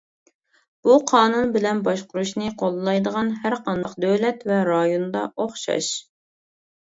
بۇ قانۇن بىلەن باشقۇرۇشنى قوللايدىغان ھەر قانداق دۆلەت ۋە رايوندا ئوخشاش.